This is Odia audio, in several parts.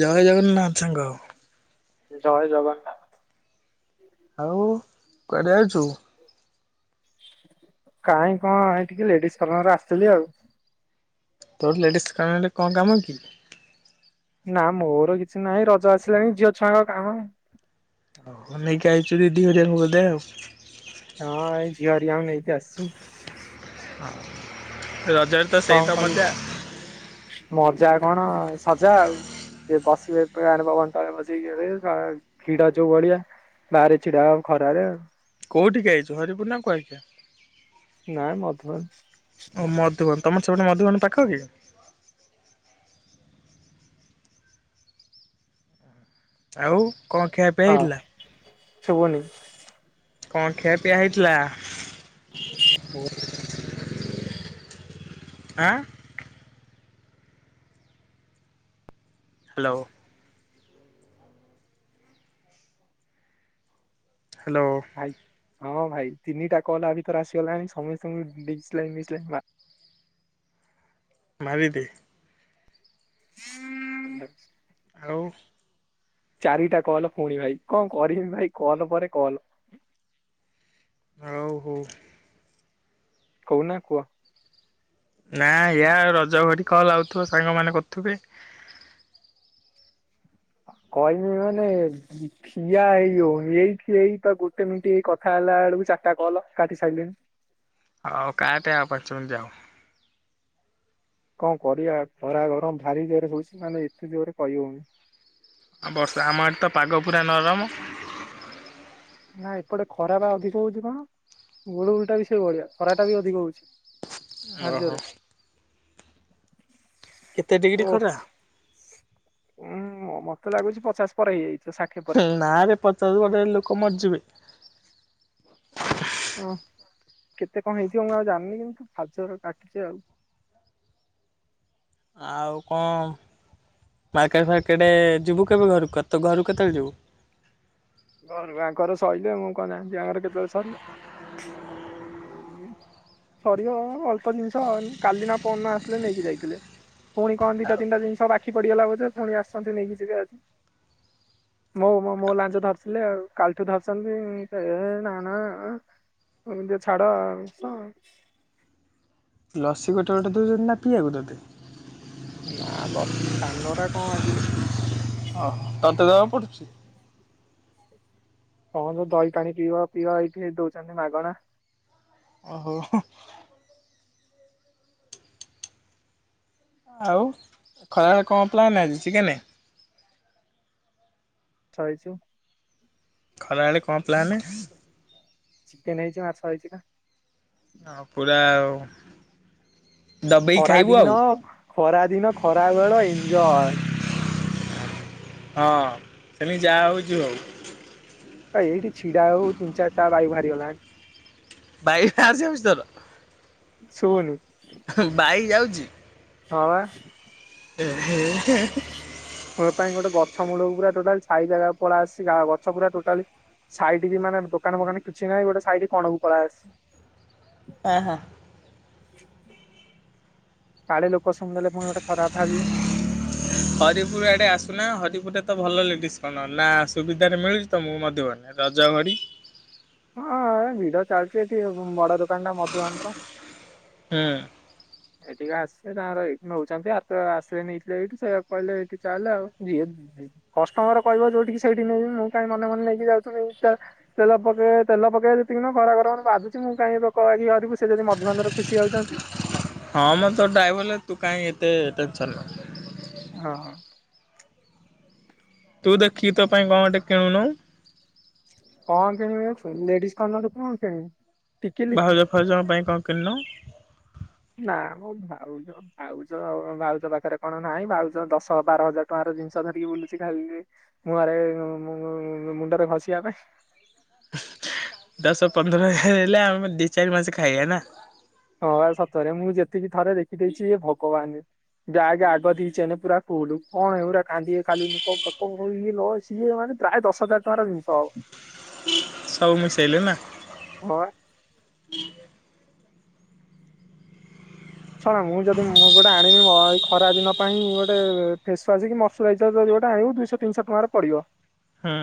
ଜୟ ଜଗନ୍ନା [unintelligible] ଜୟ ଜଗନ୍ନାଥ। ହଉ କୁଆଡେ ଆଉଛୁ? କାହିଁ କଣ ଏ ଟିକେ ଲେଡିଜ କର୍ନର ଆସିଥିଲି ଆଉ ତୋ ଲେଡିସ୍ କର୍ନରରେ କଣ କାମ କି? ନା ମୋର କିଛି ନାହିଁ ରଜ ଆସିଲାଣି ଝିଅ ଛୁଆଙ୍କ କାମ। ଓଉ ନେଇକି ଆାଇଚୁ ଦିଇ ହଜାର ବଧେ ଆଉ ହଁ ଏଇ ଝିଅରିଆଙ୍କୁ ନେଇକି ଆସିଛି। ରଜରେ ତ ସେଇ କଣ ତ ମଜା କରିନି ମଜା କଣ? ସଜା ଆଉ ସେ ବସିବେ ଫ୍ୟାନ ପବନ ତଳେ ବସେଇି ଭିଡ ଯୋଉ ଭଳିଆ ବାହାରେ ଛିଡାହ ଆଉ ଖରାରେ ଆଉ କେଉଁଠିକି ଆଇଛୁ ହରିପୁର ନା କ ଆ ନାଇଁ ମତ ଓ ମଧୁବନ ତମର ସେପଟେ ମଧୁବନ ପାଖ କି? ଆଉ। କଣ ଖିଆପିଆ ହଁ ହେଇଥିଲା ଶୁଭୁନି। କଣ ଖିଆ ପିଆ ହେଇଥିଲା? ମୁଁ ଆଁ? ହ୍ୟାଲୋ। ହ୍ୟାଲୋ। ଭାଇ ହଁ ଭାଇ ତିନିଟା କଲ ଆ ଭିତର ଆସିଗଲାଣି ସମସ୍ତଙ୍କୁ [unintelligible] ମାର୍ ମାରିଦେ। [unintelligible] ଆଉ ଚାରିଟା କଲ୍ ପୁଣି ଭାଇ କଣ କରିବି ଭାଇ କଲ୍ ପରେ କଲ୍। ଆଉ ହଉ। କହୁନା କୁହ। ନାଁ ୟା ରଜ୍ ଯା ହଉ ହେରି କଲ୍ ଆଉଥିବ ସାଙ୍ଗମାନେ କରୁଥିବେ। କହିଲି ମାନେ ଠିଆ ହେଇ ହଉନି ଏଇଠି ଏଇବା ଗୋଟେ ମିନିଟ ଏଇ କଥା ହେଲା ବେଳକୁ ଚାରିଟା କଲ କାଟି ସାରିଲିଣି। ହଉ କାଟ ଆଉ ପାଞ୍ଚ ମିନିଟ୍ ଯାଉ। କଣ କରିବା ଖରା ଗରମ ଭାରି ଜୋରରେ ହଉଛି ମାନେ ଏତେ ଜୋରରେ କହି ହଉନି। ଆଉ ବର୍ଷା ଆମ ଆଡେ ତ ପାଗ ପୁରା ନରମ। [inaudible] ନା ଏପଟେ ଖରା ବା ଅଧିକ ହଉଛି କଣ ଗୁଳୁଗୁଳି ଟା ବି ସେ ଭଳିଆ ଖରା ଟା ବି ଅଧିକ ହଉଛି। ଭାରି ଅହ ଜୋରେ କେତେ ଡିଗ୍ରୀ ଓଃ ଖରା? ଉଁ ମତେ ଲାଗୁଛି ପଚାଶ ପରେ ହେଇଯାଇ ହଁ ନାରେ ପଚାଶ ରେ ବୋଧେ ଲୋକ ମର୍ଜିବେ। ଓ କେତେ କଣ ହେଇଥିବ ମୁଁ ଆଉ ଜାଣିନି କିନ୍ତୁ ଭାରି ଜୋରେ କାଟିୁଛେ ଆଉ ଆଉ କଣ ମାର୍କେଟ ଫାର୍କେଟ ଯିବୁ କେବେ ଘରକୁ ତୁ ଘରୁକୁ କେତେବେଳେ ଯିବୁ? ଘରୁକୁ ଆଙ୍କର ସଇଲେ ମୁଁ କଣ ଜାଣିଛି ଆଙ୍କର କେତେବେଳେ ସରିବ ସରିବ ଅଳ୍ପ ଜିନିଷ କାଲି ନା ପରଦିନ ଆସିଥିଲେ ନେଇକି ଯାଇଥିଲେ। ପୁଣି କଣ ଦିଟା ତିିନଟ ଜିନିଷ ବାକି ବଢିଆ ଲାଗୁଥିଲା ପୁଣି ଆସନ୍ତି ନେଇକି ଯିବେ ଆଜି ମୋ ମୋ ଲାଞ୍ଜ ଧରି ଆସିଲେ ଆଉ କାଲିଠୁ ଧରିଛନ୍ତି ଏ ଏ ନା ନା ଏମିତି ଛାଡ ଆଉ ସ ଲସି ଗୋଟେ ଗୋଟେ ଦଉଛନ୍ତି ନା ପିଇବାକୁ ତତେ? ନା ଲସି ସାନଗୁରା କଣ ମାଗିବି। ଅହ ତତେ ଦବାକୁ ପଡୁଛି? କହନୁ ଦହି ପାଣି ପିଇବା ପିଇବା ଏଇଠି ଦଉଛନ୍ତି ମାଗଣା। ଓହୋ ହ। ଆଉ ଖରାରେ କଣ ପ୍ଲାନ ଆଜି ଚିକେନେ? [unintelligible] ଇଛି? ଖରାବେଳେ କଣ ପ୍ଲାନେ? ଚିକେନ ହେଇଛି ମାଛ ହେଇଛି ନା। ହଁ ପୁରା। ଦବେଇକି ଖରା ଖାଇବୁ ଆଉ ଦିନ ଖରା ଦିନ ଖରା ବେଳ ଇଞୟ ହଁ ସେମି ଯାହା ହଉଛୁ ଆଉ ହ ଏଇଠି ଛିଡ଼ା ହଉ ତିନ ଚାରି ବ ବାଇ ଭାଇ ଲା [inaudible] ଭାଇ ଆ ସେ ମିଛି ତର [inaudible] ଶୁବନି [inaudible] ବାାଇ ଯାଉଛି, ହ [inaudible] ହଁ ହୁଁ [inaudible] ହଁ ତା ପାଇଁ ଗୋଟେ ଗଛ ମୂଳକୁ ପୁରା ଟୋଟାଲି ସାଇ ଜାଗାକୁ ପଳ ଆସିଛି ଗା ଗଛ ପୁରା ଟୋଟାଲି ସାଇଡ ବି ମାନେ ଦୋକାନ ଫୋକାନ କିଛି ନାହିଁ ଗୋଟେ ସାଇଡ କଣ କ ପଳ ଆସସି [inaudible] ହ ହ [inaudible] [unintelligible] କାଳେ ଲୋକ [inaudible] ପୁଣି ଗୋଟେ ଖରାପ ଭାବିବେ। ହରିପୁର ଆଡେ ଆସୁନା ହରିପୁର ତ ଭଲ ଲେଡିସ୍ କଣ ନା ସୁବିଧାରେ ମିଳୁଛି ତ ମୁଁ ମଧ୍ୟ ବନେ ରଜ ଘଡି ହଁ ଏ ଭିଡ ଚାଲିଛି ଏଠି ବଡ ଦୋକାନ ଟା ମଧୁକାନ ର [inaudible] ହୁଁ ଏଠିକି ଆସିଲେ ତାଙ୍କର ଏି ନେଉଛନ୍ତି ଆସିଲେ ନେଇଥିଲେ ଏଇଠି ସେ କହିଲେ ଏଇଠି ଚାଲଲେ ଆଉ ଯି କଷ୍ଟମର କହିବ ଯୋଉଠି ସେଇଠି ନେଇବି ମୁଁ କାଇହିଁ ମନେ ମନେ ନେଇକି ଯାଉଥିଲି ତେଲ ପକେଇ ତେଲ ପକେଇବା ଯେତିକି ଖରା ଘର ମାନେ ବାଧୁଛି ମୁଁ କାଇହିଁି ପକକି କରରିବି ସେ ଯଦି ମଧ୍ୟବନ୍୍ଧରେ ଖୁସି ଯାଉଛନ୍ତି [inaudible] ହଁ ମଁ ତ ଡ୍ରାଇଭରରେ ତୁ କଁ ତେ ଟେନସନ୍ ନାହି ହଁ। ତୁ ଦେଖିକି ତୋ ପାଇଁ କଣ ଗ ଟେ କିଣୁନୁ କଣ କିଣିବ ଲେଡିଜ କାନ ତ କଣ କିଣିବି ଟିକିଲି ବାାଉଜା ଫାଉଜଙ୍କ ପାଇଁ କଣ କିଲ ନା ମ ଭାଉଜ ବାାଉଜ ବାଳଜ ପାଖରେ କଣ ନାହିଁ ବାଳଜ ଦଶ ବାର ହଜାର ଟଙ୍କାର ଜିନିଷ ଧରିକି ବୁଲୁଛି ଖାଲି ମୁହଁରେ ମୁଣ୍ଡରେ ଘଷିବା ପାଇଁ [inaudible] ଦଶ ପନ୍ଦର ହେଲେ ଆମେ ଦି ଚାରି ମାସ ଖାଇବା ନା ହଁ ସତରେ ମୁଁ ଯେତିକି ଥରେ ଦେଖିଦେଇଛି ଇଏ ଭଗବାନ ଯାକ ଆଡ ଦେଇଛିେ ପୁରା କୁହୁଲୁ କଣ ହେୁରା କାନ୍ଦେ ଖାଲି ଇଏ ସିଏ ମାନେ ପ୍ରାୟ ଦଶ ହଜାର ଟଙ୍କାର ଜିନିଷ ହବ ସବୁ ମିଶେଇଲେ ନା ହଁ ବା ଶୁଣ ମୁଁ ଯଦି ମୁଁ ଗୋଟେ ଆଣିବିଇ ଖରା ଦିନ ପାଇଁ ଗୋଟେ ଫେସୱା କି ମଶ୍ଚରାଇଜର ଯି ଗୋଟେ ଆଣିବୁ ଦୁଇଶହ ତିନିଶହ ଟଙ୍କାରେ ପଡିବ ହଁ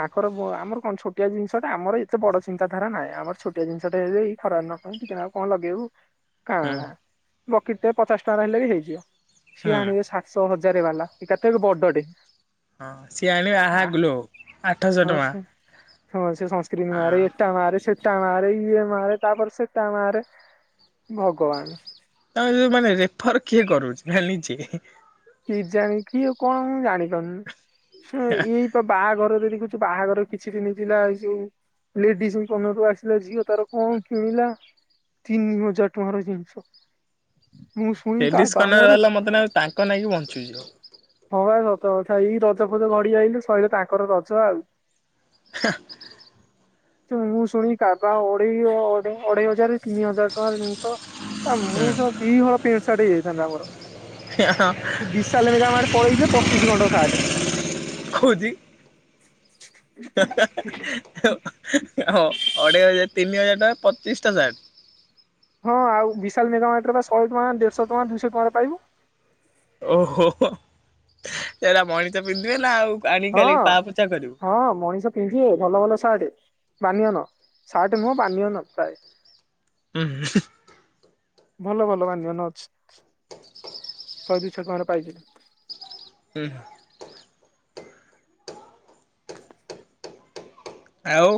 ତାଙ୍କର ଆମର କଣ ଛୋଆ ଜିନିଷଟା ଆମର ଏତେ ବଡ ଚିନ୍ତାଧାରା ନାହିଁ ଆମର ଛୋଆ ଜିନିଷଟା ଏବେଇ ଖରାପ ନ କ ଟିକେ କଣ ଲଗେଇବୁ ହୁଁ ହଁ ବକିଟରେ ପଚାଶ ଟଙ୍କା ଆହିଲେ ବି ହେଇଯିବ ସିଏ ହୁଁ ଆଣିବେ ସାତଶହ ହଜାର ବାଲା କେତେ ବଡ ଟେ [inaudible] ହଁ ସିଏ ଆଣିବେ ବାହାଗଲ ଆଉ ଆଠଶହ ହଁ ଟଙ୍କା ସେ [inaudible] ହଁ ସଂସ୍କ୍ର ମା ହଁ ମ [inaudible] ଟଣାରେ ଇଏ ମାରେ ତାପରେ ସେ ଟଣାରେ ଭଗବାନ [inaudible] ଆ ମାନେ ରେଫର କିଏ କରୁଛି ନା ନି--ଜେ କି ଜାଣି କିଉ କଣ ଜାଣିଛନ୍ତି? ସେ ଏଇ ବା ବାହାଘର ଯଦି ଯ ବାହାଘର କିଛି ଦିନଥିଲା ଏଇ ଯୋଉ ଲେଡିଜ ମନରୁ ଆସିଲା ଝିଅ ତାର କଣ କିଣିଲା ତିନି ହଜାର ଟଙ୍କାର ଜିନିଷ।। ମୁଁ ଶୁଣି କା ଲେଡିସ୍ ବା କନର ମୋର ବାଲା ମତେ ନାଗୁଚି ତାଙ୍କ ନାଗି ବଞ୍ଚ [unintelligible] ହଁ ବା ସତ କଥା ଏଇ ରଜ ଫଜ ଘଡି ଆଇଲେ ସହିଲା ତାଙ୍କର ରଜ ଆଉ [inaudible] ମୁଁ ଶୁଣି କବା ଅଢେଇଅଢେଇ ଅଢେଇ ହଜାର ତିନି ହଜାର ଟଙ୍କାରେ ଜିନିଷ ଆ ମୁଁ ସ ଦିହଳ ପେ ସାଟ୍ ହେଇଯାଇଥାନ୍ତା ମୋର [inaudible] ବିଶାଲ ମିଡାମ ଆଡ଼େ ପଳେଇଥିଲେ ପଚିଶି ଘଣ୍ଟ ସାଟ୍ କହୁଛି। ଅ ପଚିଶି ଟା ସାଟ୍ ହଁ ଆଉ ବିଶାଲ ମେଗା ମାଟ ବା ଶହେ ଟଙ୍କା ଦେଢଶହ ଟଙ୍କା ଦୁଇଶହ ଟଙ୍କାରେ ପାଇବୁ। ଓହୋ ସେରା ମଣିଷ ପିନ୍ଧିବେ ନା ଆଉ ଆଣିକି ହଁ ଖାଲି ପା ପୋଛା କରିବୁ। ହଁ ମଣିଷ ପିନ୍ଧିବେ ଭଲ ଭଲ ସାର୍ଟ। ବାନିଅନ ଶାର୍ଟ ନୁହଁ ବାନିଅନ ପ୍ରାୟ [inaudible] ଭଲ ଭଲ ବାନିଅନ ଅଛି? ଶହେ ଦୁଇଶହ ଟଙ୍କାରେ ପାଇଯିବୁ ହୁଁ ଆଉ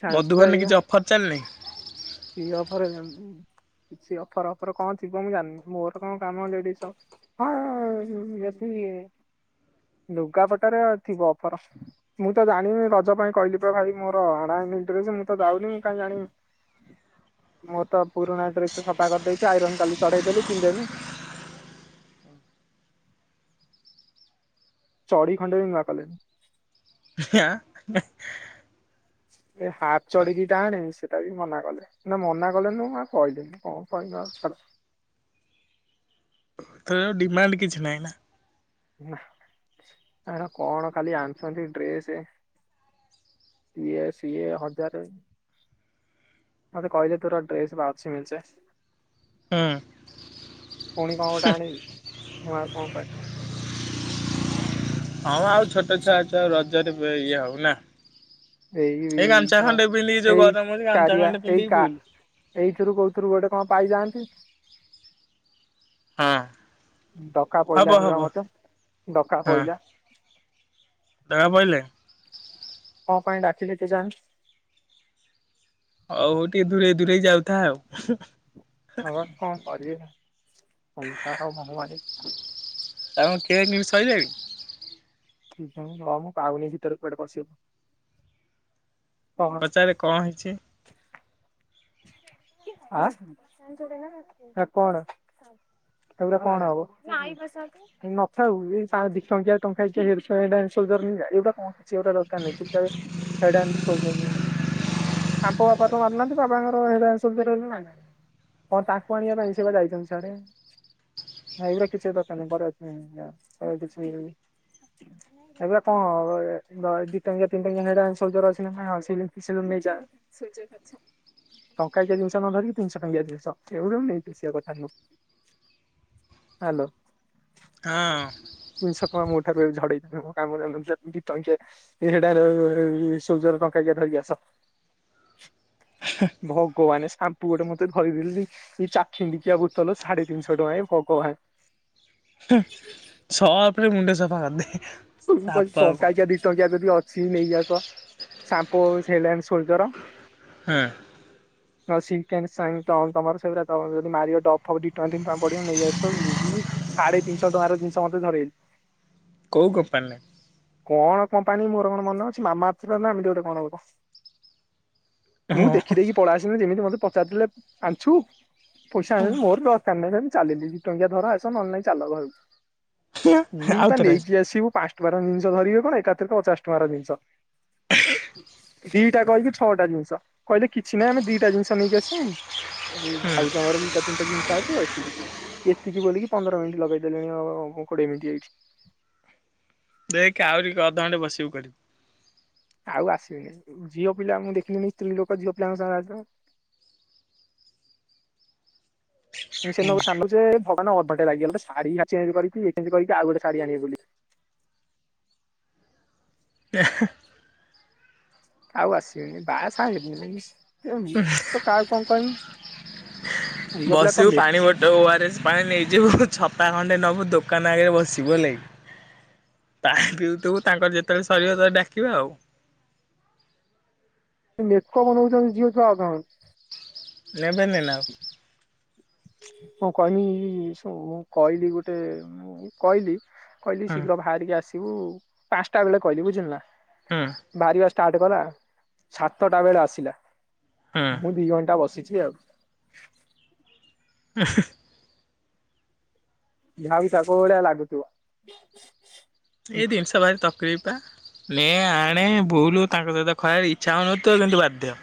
ଚାଲିଛି ପା ମଧୁବନରେ ଏଇଆ। କିଛି ଅଫର୍ ଚାଲିନି? କି ଅଫର୍ କିଛି ଅଫରଫର କଣ ଥିବ ମୁଁ ଜାଣିନି ମୋର କଣ ଲେଡିସ୍ ର ହଁ ଯେଦି ଲୁଗାପଟରେ ଥିବ ଅଫର ମୁଁ ତ ଜାଣିନି ରଜ ପାଇଁ କହିଲି ପା ଭାଇ ମୋର ଅଣା ହେଇନି ମୁଁ ତ ଯାଉନି ମୁଁ କାହିଁ ଜାଣିବି। ମୁଁ ତ ପୁରୁଣା ଡ୍ରେସ୍ ସଫା କରିଦେଇଛି ଆଇରନ୍ କାଲି ଚଢେଇଦେଲି ପିନ୍ଧନୁ। ଚଢ଼ି ଖଣ୍ଡେ ବି ନୁଆ କଲେନି। ଆଁ ଏ ହାପ ଚଢିକି ଟାନେ ସେ ସେଟା ବି ମନା କଲେ ନା ମନା କଲେନୁ ଆ କହିଲେନି କଣ କହିମି ଛା ଏଥର ଡିମାଣ୍ଡ କିଛି ନହିଁ ନା? ନା ହେରା କଣ ଖାଲି ଆଣିଛନ୍ତି ଡ୍ରେସ୍ ଇଏ ସିଏ ହଜାର ମେତେ କହିଲେ ତର ଡ୍ରେସ୍ ବା ଅଛି ମିଚେ। ହୁଁ ପୁଣି କଣ ଗୋଟେ ଆଣିବୁ? ମୁଁ ଆଉ କଇମି ହଁ ଆଉ ଛୋଟ ଛୁଆ ଅଛୁ ଆଉ ରଜରେ ବ ଇଏ ହବୁ ନା ଏଇ ଏଇ ଏଇ ଗାମୁଛା ସଳା ଖଣ୍ଡେ ପିନ୍ଧିକି ଯୋଉ ଏଇ ଗରମ ହଉଛି ଗାମୁଛା କାରିଆ ଖଣ୍ଡେ ଏଇ ପିନ୍ଧିକି କା ବୁଲୁ ଏଇଥିରୁ କୋଉଥିରୁ ଗୋଟେ କଣ ପାଇଯାଆନ୍ତି ହଁ। ଡକା ହବ ପଇଲା ଣିବା ହବ। ମତେ ଡକା ହଁ ପଇଲା। ଧରା ପଇଲେ? କଣ ପାଇଁ ଡାକିଲେ କେ ଯାଣି? ହଉ ଟିକେ ଦୂରେ ଦୂରେଇ ଯାଉ ଆ କଣ କରିବି [unintelligible] [unintelligible] ସଇଲାଣି? ହ ମୁଁ ପାାଉନି ଭିତର କୁଆଡେ ପଶିଯାଇଛି। ପଚାରରେ କଣ ହେଇଛି? ଆ କଣ ଏଗୁରା କଣ ହବ? ନଥାଉ, ଏଇ ଦିଟଙ୍କିଆ ଟଙ୍କାକିଆ ହେଡ଼ ସୋଲଜର ନେଇଜା? [unintelligible] କିଛି ଦରକାର ନାହିଁ। [unintelligible] ସାମ୍ପୋ ବାପା ତ ମାନୁ ନାହାନ୍ତି। ବାବାଙ୍କର ହେଡ଼ ଆଣ୍ଡ ସୋଲଜର [unintelligible] କଣ ତାଙ୍କୁ ଆଣିବା ପାଇଁ ସେ ଯାଇଛନ୍ତି ସ୍ୟାଡେ ଏଗୁରା କିଛି ଦରକାର ନାହିଁ, ଘରେ ଅଛି, [unintelligible] ଏଗୁରା କଣ ହବ ଦି ଟଙ୍କିଆ ତିନି ଟଙ୍କିଆହେଡ଼ ଆଣ୍ଡ ସୋଲଜର ଅଛି ନା, ସେୟାକୁ ନେଇଜା। ଟଙ୍କାକିଆ ଜିନିଷ ନ ଧରିକି ତିନିଶହ ଟଙ୍କିଆ ଜିନିଷ ଏଗୁଡ଼ାଙ୍କୁ ନେଇକି ଆସିବା କଥା ନୁହଁ, ହ୍ୟାଲୋ। ହଁ। ଦିଶ ଟଙ୍କା ମୋ ଠାରୁ ଝଡେଇଛି, ମୋ କାମରେ ଅନୁସାରେ [unintelligible] ହେଡ଼ ଏଣ୍ଡ ସୋଲଜର ଟଙ୍କାକିଆ ଧରିକି ଆସ। ଭଗବାନେ ସାମ୍ପୁ ଗୋଟେ ମତେ ଧରିଦେଲି ଏଇ ଚାଖିଣ୍ଡିକିଆ ବୋତଲ, ସାଢେ ତିନିଶହ ଟଙ୍କା ଏ ଭଗବାନ। ସର୍ଫରେ ମୁଣ୍ଡ ସଫା କରିଦେ। ମୁଁ ସାପ କହୁଛି ଆଉ କଣ। ଟଙ୍କାକିଆ ଦିଟଙ୍କିଆ ଯଦି ଅ ଛି ନେଇକି ଆସ ସାମ୍ପୋ ହେଡ ଆନ ସୋଲଜର। ହଁ। ସିଂଙ୍କ ଆଣ୍ଡ ସାଇନ ତମର ସେଗୁରା ଯଦି ମାରିବ ଡବ ଫବ ଦି ଟଙ୍କା ତିନି ଟଙ୍କା ପଡିବ ନେଇ ଆସ, ସାଢେ ତିନିଶହ ଟଙ୍କାର ଜିନିଷ ମୋତେ ଧରେଇଲେ। କୋଉ କମ୍ପାନୀ? କଣ କମ୍ପାନୀ ମୋର କଣ ମନେ ଅଛି ମାମା ଆର୍ଥ ଟା ଏମିତି ଗୋଟେ କଣ ଗୋଟେ। ମୁଁ ଦେଖିଦେଇକି କି ପଳେଇ ଆସିଲିନି ଯେମିତି ମତେ ପଚାରିଲେ ଆଣିଛୁ ପଇସା ହଁ ଆଣି ମୋର ଦରକାର ନାହିଁ ଚାଲିଲି, ଦି ଟଙ୍କିଆ ଧର ଆସ ନହେଲେ ନାଇଁ ଚାଲ। ଇଏ ପା ଆଉଥରେ ନେଇକି ଆସିବୁ ପାଞ୍ଚ ଜିନିଷ ଧରିବେ କଣ ଏକାଥରେ ପଚାଶ ଟଙ୍କାର ଜିନିଷ ଦିଟା କହିକି ଛଅଟା ଜିନିଷ। କହିଲେ କିଛି ନାହିଁ ଆମେ ଦିଟା ଜିନିଷ ନେଇକି ଆସିବୁ, ଆ ହୁଁ ଭାଉଜଙ୍କର ଦିଟା ତିନିଟା ଜିନିଷ ଆସିବ ଏତିକି ଏତିକି ବୋଲିକି ପନ୍ଦର ମିନିଟ ଲଗେଇ ଦେଲେଣି ଆ ମୁ କୋଡିଏ ମିନିଟ ଏଇଠି। ଦେଖେ ଆହୁରି ଅଧଘଣ୍ଟେ ବସିବୁ କରିବୁ। ଆଉ ଆସିବିନି, ଝିଅପିଲା ମୁଁ ଦେଖିଲିନି ସ୍ତ୍ରୀ ଲୋକ ଝିଅପିଲାଙ୍କ ସା [unintelligible] ଅଧଘଣ୍ଟା ଲାଗିଗଲା ଶାଢୀ ଚେଞ୍ଜ କରିକି ଚେଞ୍ଜ କରିକି ଆଉ ଗୋଟେ ଶାଢୀ ଆଣିବେ ବୋଲି। [unintelligible] ଆଉ ଆସିବିନି ବା ସା ହେବିନି। [unintelligible] [unintelligible] ଝିଅ ପିଲା କଣ ବସିବୁ ମେ ପାଣି ବଟ ଓଆର ପାଣି ନେଇଯିବୁ, ଛତା ଖଣ୍ଡେ ନବୁ, ଦୋକାନ ଆଗରେ ବସିବୁ, ହେଲାକି, ପାଣି ପିଉଥିବୁ ତାଙ୍କର ଯେତେବେଳେ ସରିବ ତତେ ଡାକିବେ। ଆ ମେକପ ନଉଛନ୍ତି ଝିଅଛୁଆ ନେବେନି ନା- ହଁ କହନି ମୁଁ କହିଲି ଗୋଟେ କହିଲି କହିଲି ଆଉ। ଶୀଘ୍ର ବାହାରିକି ଆସି- ତୁ ପାଞ୍ଚଟା ବେଳେ କହିଲି ବୁଝିଲୁ ନା ହୁଁ ହୁଁ ଭାରି ବାସ ଷ୍ଟାର୍ଟ କଲା, ସାତଟା ବେଳେ ଆସିଲା ହୁଁ ମୁଁ ଦି ଘଣ୍ଟା ବସିି ବଝି ଆଉ। [inaudible] ଯାହାବି ତା କ ଓଡଆ ଲାଗୁଥିବ। ଏଇ ଦିନିଷବାରି ତପ କିଣିବୁ ପା ନ ଆଣେ ବୁଲୁ ତାଙ୍କ ସହିତ ଖରାରେ ଇଚ୍ଛା ହଉନଥିବା କିନ୍ତୁ ବାଧ୍ୟ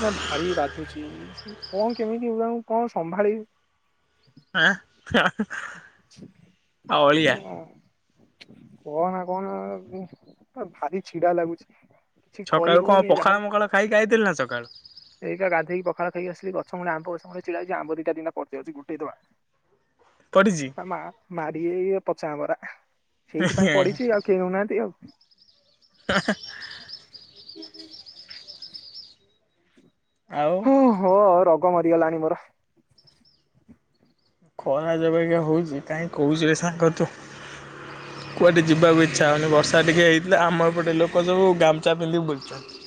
ନା ଭାରି ବାଧୁଛି କଣ କେମିତି ହଉ କଣ ସମ୍ଭାଳିିବି। ଆଁ ଆ ଅଳିଆ କହନା କହନା ଭାରି ଛିଡା ଲାଗୁଛି। କିଛି କରି ସକାଳୁ କଣ ହଉନି ଯାହା ପଖାଳ ହଉ ମଖାଳ ଖାଇକି ଆଇଥିଲି ନା ସକାଳୁ। ସୋ ଗାଧୋଇକି ପଖାଳ ଖାଇକି ଆସିଲି ଗଛ ମୂଳେ ଆମ୍ବ ଛିଡା ହେଇଛି ଆମ୍ବ ଦିଟା ଦ ପଡି ଯାଉଛି ଗୋଟେଇ ପଡିଛି ଦବା। ମା ମାର ଏଇ ପଚା ଆମ୍ବରା ସେଇଥିପାଇଁ ପଢିଛି ଆଉ କେହି ହଉନାହାନ୍ତି ଆଉ। [inaudible] ଆଉ ହଁ ହଁ ର କଣ ମରିଗଲାଣି ମୋର। ଖରା ଯୋଉ ବାଗିଆ ହଉଛି କାହିଁ କହୁଛୁ ସାଙ୍ଗ ତୁ କୁଆଡେ ଯିବାକୁ ଇଚ୍ଛା ହଉନି ବର୍ଷା ଟିକେ ହେଇଥିଲା ଆମର ଏପଟେ ଲୋକ ସବୁ ଗାମୁଚା ପିନ୍ଧିକ ବୁଲଛନ୍ତି।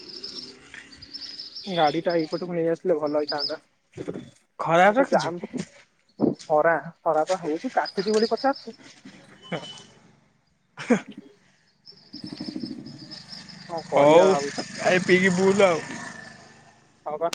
ଗାଡି ଟା ଏଇପଟକୁ ନେଇ ଆସିଲେ ଭଲ ହେଇଥାନ୍ତା। ଖରାପ ରଖିଛୁ? ହରା ଖରାପ ତ ହେଇଛି କାଟୁଛି ବୋଲି ପଚା ଠିକ [inaudible] [inaudible] କରିବା ହଉ ଭାବୁଛି ଆଇ ପିଇକି ବୁଲୁ ଆଉ। [inaudible] ହଉ ବା।